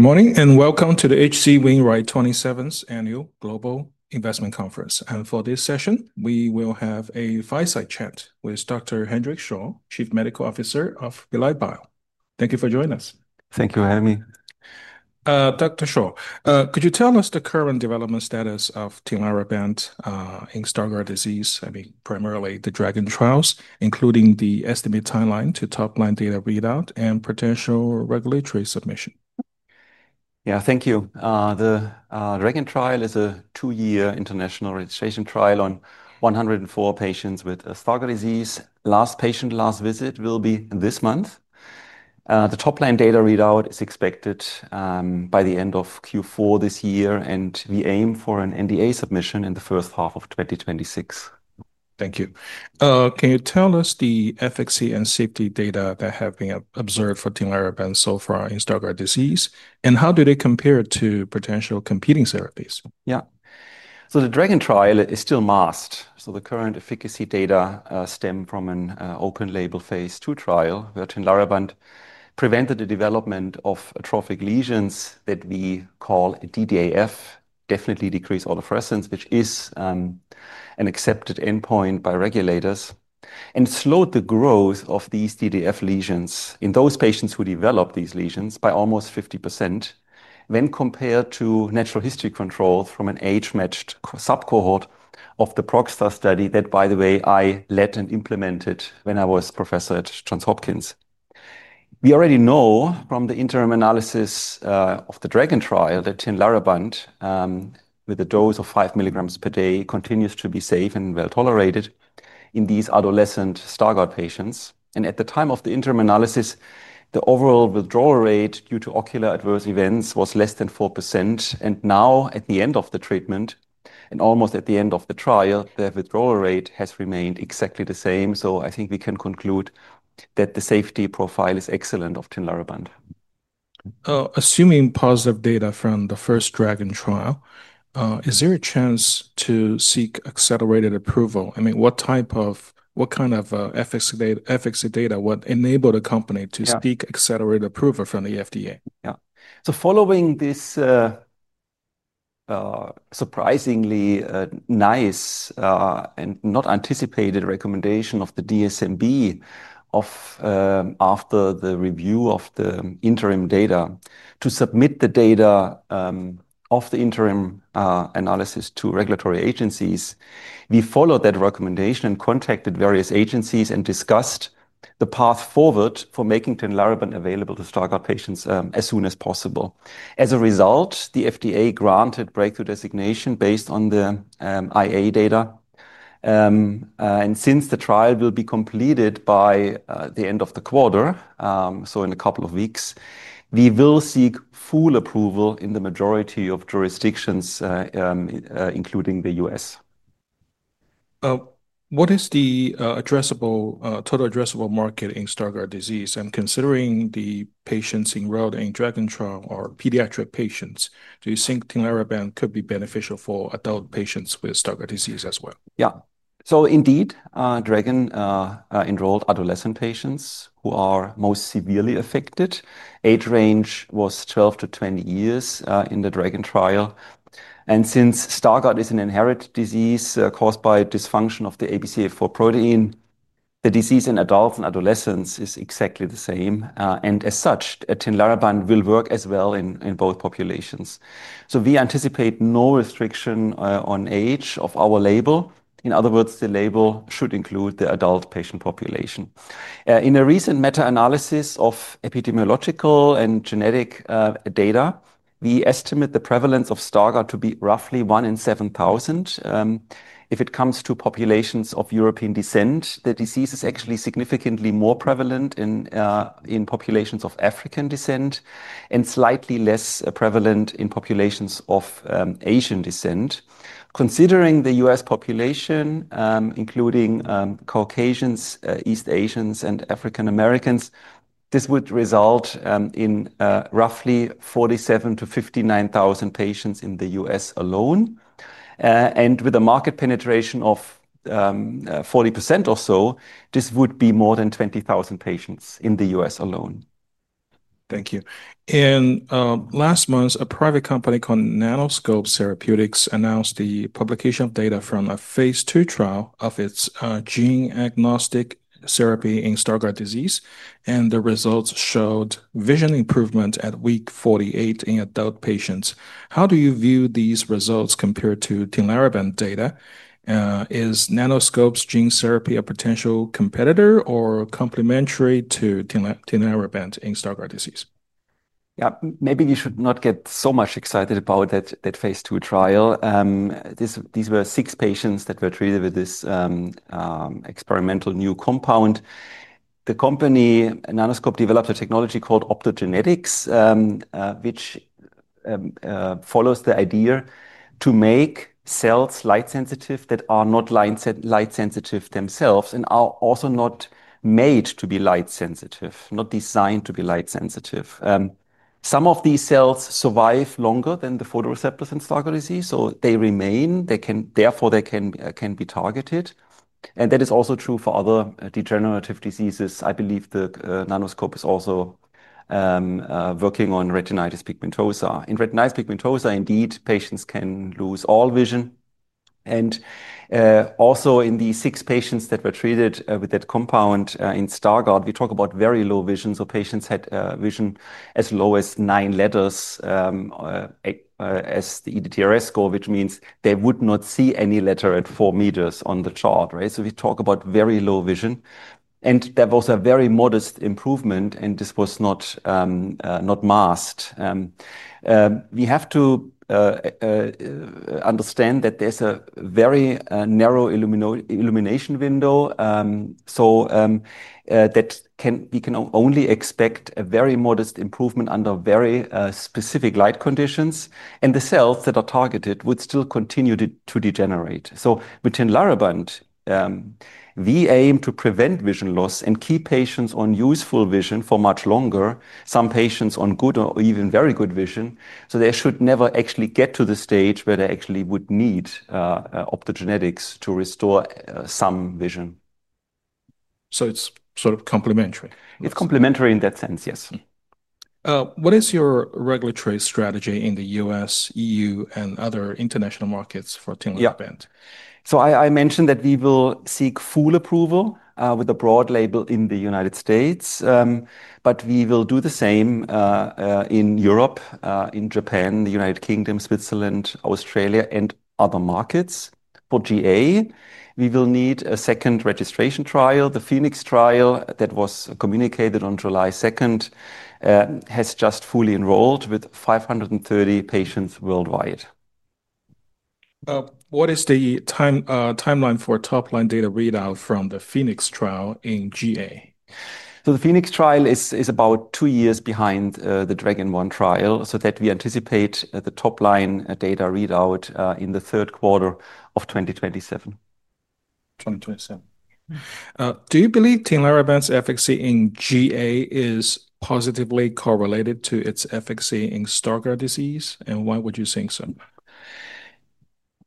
Good morning and welcome to the H.C. Wainwright 27th Annual Global Investment Conference. For this session, we will have a fireside chat with Dr. Hendrik Scholl, Chief Medical Officer of Belite Bio. Thank you for joining us. Thank you for having me. Dr. Scholl, could you tell us the current development status of Tinlarebant in Stargardt disease, I mean primarily the DRAGON trial, including the estimated timeline to top-line data readout and potential regulatory submission? Yeah, thank you. The DRAGON trial is a two-year international registration trial on 104 patients with Stargardt disease. The last patient's last visit will be this month. The top-line data readout is expected by the end of Q4 this year, and we aim for an NDA submission in the first half of 2026. Thank you. Can you tell us the efficacy and safety data that have been observed for Tinlarebant so far in Stargardt disease? How do they compare to potential competing therapies? Yeah, the DRAGON trial is still masked. The current efficacy data stem from an open-label phase II trial where Tinlarebant prevented the development of atrophic lesions that we call DDAF, definitely decreased autofluorescence, which is an accepted endpoint by regulators, and slowed the growth of these DDAF lesions in those patients who developed these lesions by almost 50% when compared to natural history controls from an age-matched subcohort of the [ProgStar] study that, by the way, I led and implemented when I was a professor at Johns Hopkins. We already know from the interim analysis of the DRAGON trial that Tinlarebant with a dose of 5 mg per day continues to be safe and well tolerated in these adolescent Stargardt patients. At the time of the interim analysis, the overall withdrawal rate due to ocular adverse events was less than 4%. Now, at the end of the treatment and almost at the end of the trial, the withdrawal rate has remained exactly the same. I think we can conclude that the safety profile is excellent of Tinlarebant. Assuming positive data from the first DRAGON trial, is there a chance to seek accelerated approval? What type of, what kind of efficacy data would enable the company to seek accelerated approval from the FDA? Yeah, so following this surprisingly nice and not anticipated recommendation of the DSMB after the review of the interim data to submit the data of the interim analysis to regulatory agencies, we followed that recommendation and contacted various agencies and discussed the path forward for making Tinlarebant available to Stargardt patients as soon as possible. As a result, the FDA granted breakthrough designation based on the IA data. Since the trial will be completed by the end of the quarter, so in a couple of weeks, we will seek full approval in the majority of jurisdictions, including the U.S. What is the total addressable market in Stargardt disease? Considering the patients enrolled in the DRAGON trial are pediatric patients, do you think Tinlarebant could be beneficial for adult patients with Stargardt disease as well? Yeah, so indeed, DRAGON enrolled adolescent patients who are most severely affected. Age range was 12 to 20 years in the DRAGON trial. Since Stargardt is an inherited disease caused by dysfunction of the ABCA4 protein, the disease in adults and adolescents is exactly the same. As such, Tinlarebant will work as well in both populations. We anticipate no restriction on age of our label. In other words, the label should include the adult patient population. In a recent meta-analysis of epidemiological and genetic data, we estimate the prevalence of Stargardt to be roughly one in 7,000. If it comes to populations of European descent, the disease is actually significantly more prevalent in populations of African descent and slightly less prevalent in populations of Asian descent. Considering the U.S. population, including Caucasians, East Asians, and African Americans, this would result in roughly 47,000-59,000 patients in the U.S. alone. With a market penetration of 40% or so, this would be more than 20,000 patients in the U.S. alone. Thank you. Last month, a private company called Nanoscope Therapeutics announced the publication of data from a phase II trial of its gene-agnostic therapy in Stargardt disease. The results showed vision improvement at week 48 in adult patients. How do you view these results compared to Tinlarebant data? Is Nanoscope's gene therapy a potential competitor or complementary to Tinlarebant in Stargardt disease? Yeah, maybe we should not get so much excited about that phase II trial. These were six patients that were treated with this experimental new compound. The company, Nanoscope Therapeutics, developed a technology called optogenetics, which follows the idea to make cells light sensitive that are not light sensitive themselves and are also not made to be light sensitive, not designed to be light sensitive. Some of these cells survive longer than the photoreceptors in Stargardt disease, so they remain. Therefore, they can be targeted. That is also true for other degenerative diseases. I believe that Nanoscope Therapeutics is also working on retinitis pigmentosa. In retinitis pigmentosa, indeed, patients can lose all vision. Also, in the six patients that were treated with that compound in Stargardt, we talk about very low vision. Patients had vision as low as nine letters as the ETDRS score, which means they would not see any letter at four meters on the chart. We talk about very low vision. There was a very modest improvement, and this was not masked. We have to understand that there's a very narrow illumination window. We can only expect a very modest improvement under very specific light conditions. The cells that are targeted would still continue to degenerate. With Tinlarebant, we aim to prevent vision loss and keep patients on useful vision for much longer, some patients on good or even very good vision. They should never actually get to the stage where they actually would need optogenetics to restore some vision. It's sort of complementary. It's complementary in that sense, yes. What is your regulatory strategy in the U.S., Europe, and other international markets for Tinlarebant? Yeah, so I mentioned that we will seek full approval with a broad label in the United States. We will do the same in Europe, Japan, the United Kingdom, Switzerland, Australia, and other markets for GA. We will need a second registration trial. The PHOENIX trial that was communicated on July 2nd has just fully enrolled with 530 patients worldwide. What is the timeline for top-line data readout from the PHOENIX trial in GA? The PHOENIX trial is about two years behind the DRAGON 1 trial, so we anticipate the top-line data readout in the third quarter of 2027. 2027. Do you believe Tinlarebant's efficacy in GA is positively correlated to its efficacy in Stargardt disease? Why would you think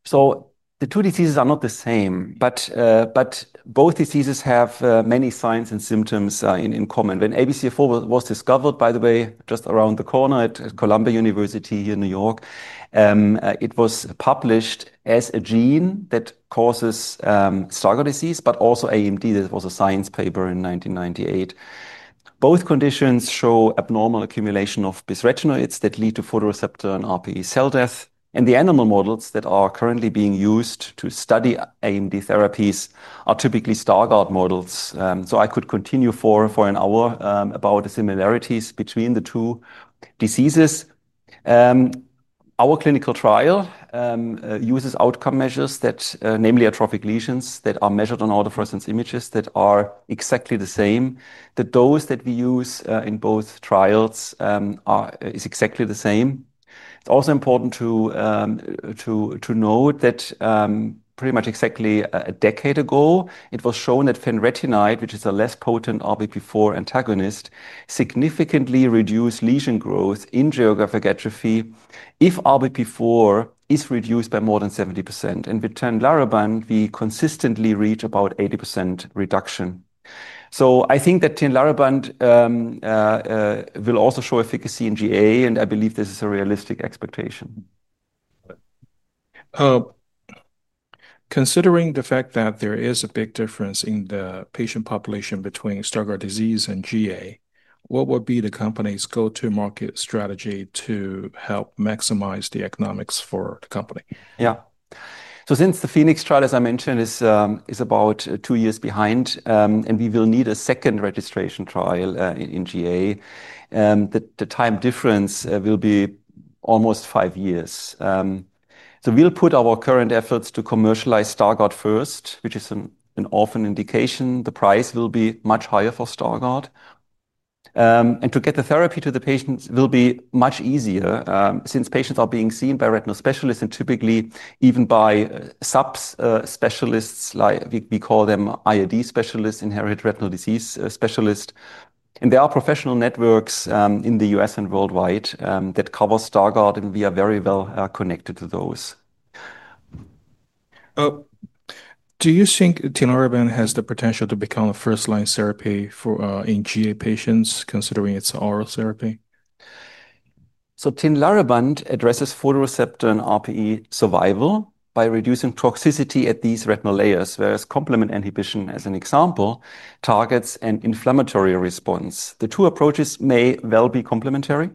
so? The two diseases are not the same, but both diseases have many signs and symptoms in common. When ABCA4 was discovered, by the way, just around the corner at Columbia University in New York, it was published as a gene that causes Stargardt disease, but also AMD. That was a Science paper in 1998. Both conditions show abnormal accumulation of bis-retinoids that lead to photoreceptor and RPE cell death. The animal models that are currently being used to study AMD therapies are typically Stargardt models. I could continue for an hour about the similarities between the two diseases. Our clinical trial uses outcome measures, namely atrophic lesions that are measured on autofluorescence images that are exactly the same. The dose that we use in both trials is exactly the same. It's also important to note that pretty much exactly a decade ago, it was shown that fenretinide, which is a less potent RBP4 antagonist, significantly reduced lesion growth in geographic atrophy if RBP4 is reduced by more than 70%. With Tinlarebant, we consistently reach about 80% reduction. I think that Tinlarebant will also show efficacy in GA, and I believe this is a realistic expectation. Considering the fact that there is a big difference in the patient population between Stargardt disease and GA, what would be the company's go-to-market strategy to help maximize the economics for the company? Yeah, since the PHOENIX trial, as I mentioned, is about two years behind and we will need a second registration trial in GA, the time difference will be almost five years. We'll put our current efforts to commercialize Stargardt first, which is an orphan indication. The price will be much higher for Stargardt, and to get the therapy to the patients will be much easier since patients are being seen by retinal specialists and typically even by subspecialists. We call them IRD specialists, inherited retinal disease specialists. There are professional networks in the U.S. and worldwide that cover Stargardt, and we are very well connected to those. Do you think Tinlarebant has the potential to become a first-line therapy for GA patients considering its oral therapy? Tinlarebant addresses photoreceptor and RPE survival by reducing toxicity at these retinal layers, whereas complement inhibition, as an example, targets an inflammatory response. The two approaches may well be complementary.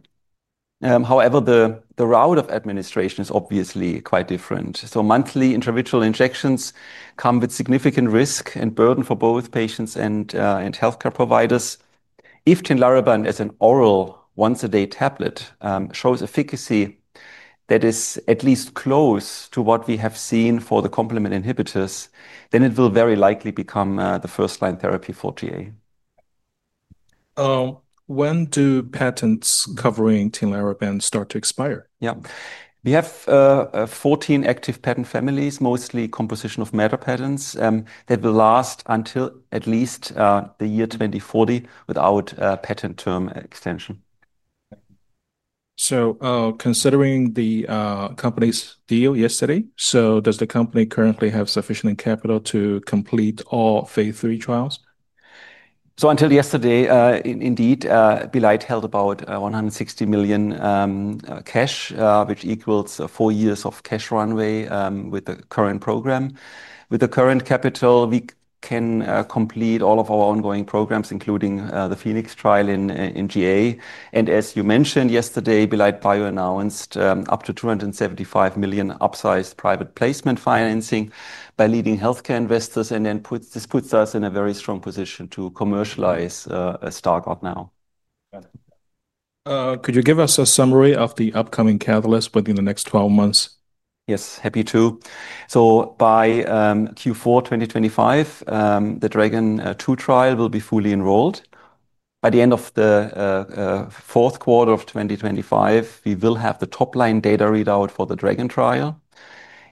However, the route of administration is obviously quite different. Monthly intravitreal injections come with significant risk and burden for both patients and healthcare providers. If Tinlarebant as an oral once-a-day tablet shows efficacy that is at least close to what we have seen for the complement inhibitors, then it will very likely become the first-line therapy for GA. When do patents covering Tinlarebant start to expire? Yeah, we have 14 active patent families, mostly composition of matter patents, that will last until at least the year 2040 without patent term extension. Considering the company's deal yesterday, does the company currently have sufficient capital to complete all phase III trials? Until yesterday, indeed, Belite held about $160 million cash, which equals four years of cash runway with the current program. With the current capital, we can complete all of our ongoing programs, including the PHOENIX trial in GA. As you mentioned yesterday, Belite Bio announced up to $275 million upsized private placement financing by leading healthcare investors. This puts us in a very strong position to commercialize Stargardt now. Could you give us a summary of the upcoming catalyst within the next 12 months? Yes, happy to. By Q4 2025, the DRAGON 2 trial will be fully enrolled. By the end of the fourth quarter of 2025, we will have the top-line data readout for the DRAGON trial.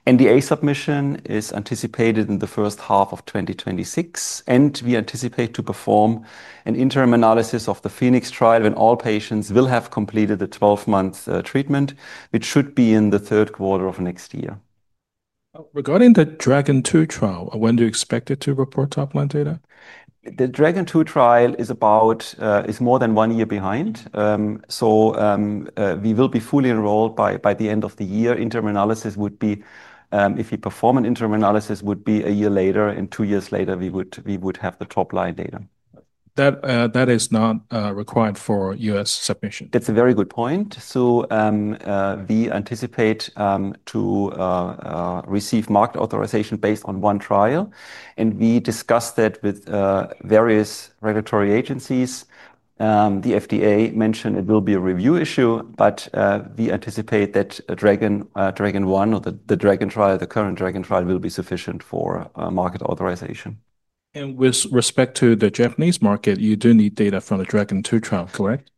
NDA submission is anticipated in the first half of 2026. We anticipate to perform an interim analysis of the PHOENIX trial when all patients will have completed the 12-month treatment, which should be in the third quarter of next year. Regarding the DRAGON 2 trial, when do you expect it to report top-line data? The DRAGON 2 trial is more than one year behind. We will be fully enrolled by the end of the year. Interim analysis would be, if we perform an interim analysis, a year later. Two years later, we would have the top-line data. That is not required for U.S. submission. That's a very good point. We anticipate to receive market authorization based on one trial. We discussed that with various regulatory agencies. The FDA mentioned it will be a review issue, but we anticipate that the DRAGON trial, the current DRAGON trial, will be sufficient for market authorization. With respect to the Japanese market, you do need data from the DRAGON 2 trial, correct?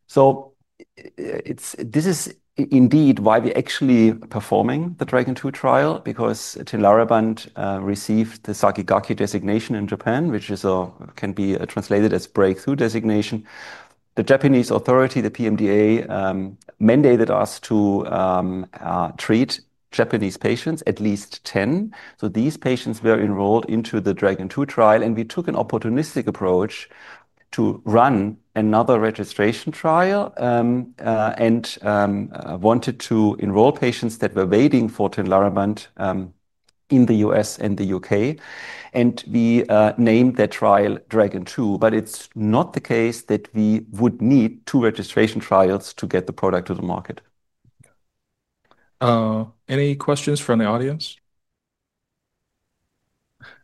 This is indeed why we're actually performing the DRAGON 2 trial, because Tinlarebant received the Sakigake designation in Japan, which can be translated as breakthrough designation. The Japanese authority, the PMDA, mandated us to treat Japanese patients, at least 10. These patients were enrolled into the DRAGON 2 trial. We took an opportunistic approach to run another registration trial and wanted to enroll patients that were waiting for Tinlarebant in the U.S. and the U.K. We named that trial DRAGON 2. It's not the case that we would need two registration trials to get the product to the market. Any questions from the audience?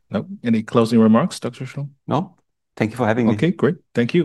Nope. Any closing remarks, Dr. Scholl? No, thank you for having me. OK, great. Thank you.